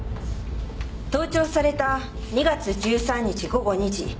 盗聴された２月１３日午後２時。